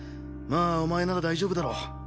まあお前なら大丈夫だろ。